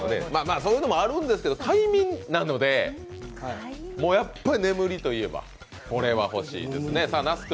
そういうのもあるんですけど快眠なので、眠りといえば、これは欲しいですね。